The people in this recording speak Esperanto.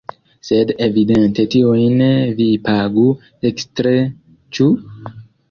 Sed evidente tiujn vi pagu ekstre, ĉu?